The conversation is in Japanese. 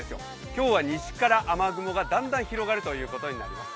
今日は西から雨雲が、だんだん広がるということになります。